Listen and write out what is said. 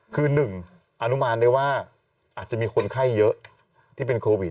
คือ๑อนุมานได้ว่าอาจจะมีคนไข้เยอะที่เป็นโควิด